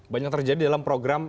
banyak terjadi dalam program